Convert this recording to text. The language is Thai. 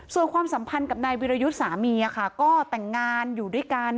ส่วนความสัมพันธ์กับนายวิรยุทธ์สามีค่ะก็แต่งงานอยู่ด้วยกัน